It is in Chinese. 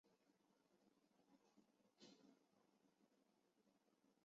红磡站。